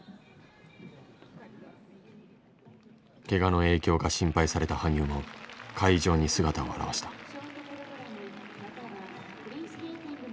けがの影響が心配された羽生も会場に姿を現した。